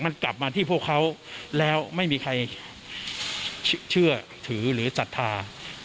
มันกลับมาที่พวกเขาแล้วไม่มีใครเชื่อถือหรือศรัทธา